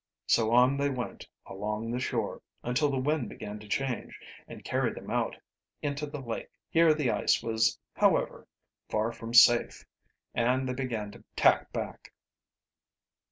So on they went along the shore, until the wind began to change and carry them out into the lake. Here the ice was, however, far from safe, and they began to tack back.